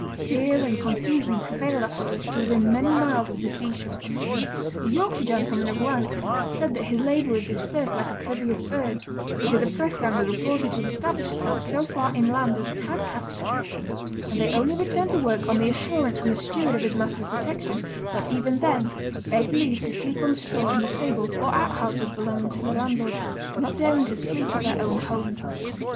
Fear and confusion prevailed after this to within many miles of the sea shore. A Yorkshire gentleman of rank said that his labourers dispersed like a covey of birds, because a press gang was reported to have established itself so far inland as Tadcaster; and they only returned to work on the assurance from the steward of his master's protection, but even then begged leave to sleep on straw in the stables or outhouses belonging to their landlord, not daring to sleep at their own homes.